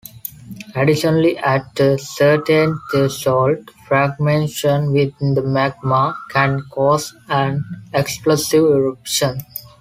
Additionally, at a certain threshold, fragmentation within the magma can cause an explosive eruption.